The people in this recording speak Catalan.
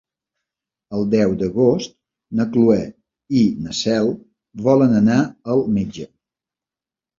El deu d'agost na Cloè i na Cel volen anar al metge.